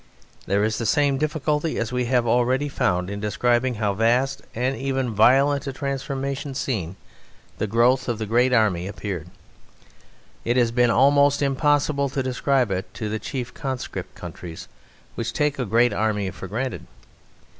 There is the same difficulty as we have already found in describing how vast and even violent a transformation scene the growth of the great army appeared; it has been almost impossible to describe it to the chief conscript countries, which take a great army for granted.